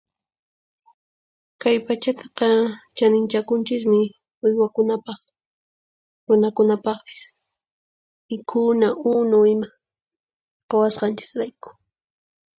Kay pachataqa chaninchakunchismi uywakunapaq, runakunapaqpis mikhuna unu ima quwasqanchisrayku.